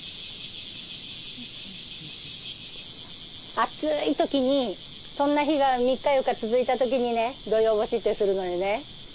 暑い時にそんな日が３日４日続いた時にね土用干しってするのよね。